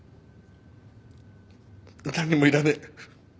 何にも要らねえ。